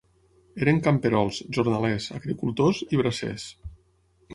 Eren camperols, jornalers, agricultors i bracers.